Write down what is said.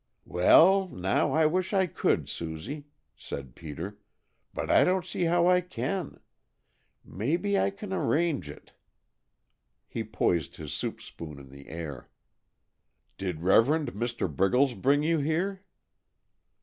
"Well, now, I wish I could, Susie," said Peter, "but I don't see how I can. Maybe I can arrange it " He poised his soup spoon in the air. "Did Reverend Mr. Briggles bring you here?"